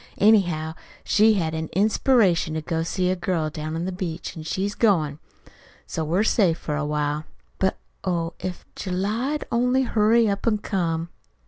"Anyhow, she's had an inspiration to go see a girl down to the beach, an' she's goin'. So we're safe for a while. But, oh, if July'd only hurry up an' come!"